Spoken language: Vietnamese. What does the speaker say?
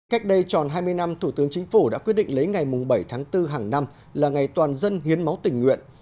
cách đây tròn hai mươi năm thủ tướng chính phủ đã quyết định lấy ngày bảy tháng bốn hàng năm là ngày toàn dân hiến máu tình nguyện